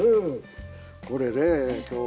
これね今日は。